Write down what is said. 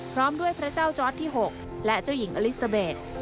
พร้อมด้วยพระเจ้าจอร์ดที่๖และเจ้าหญิงอลิซาเบส